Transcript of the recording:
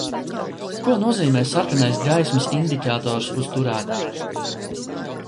Ko nozīmē sarkanais gaismas indikators uz turētāja?